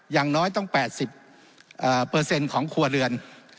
อย่างน้อยต้อง๘๐ของครัวเรือน